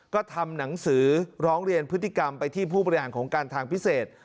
ก็ทำหนังสือร้องเรียนพฤติกรรมไปที่ผู้บริหารของการทางพิเศษ